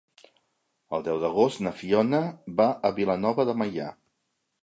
El deu d'agost na Fiona va a Vilanova de Meià.